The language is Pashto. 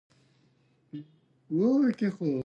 وطن په خلکو ښه ښکاریږي.